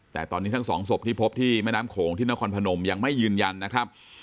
แต่ตอนนี้ทั้งสองศพที่พบที่แม่น้ำโขงที่นครพนมยังไม่ยืนยันนะครับ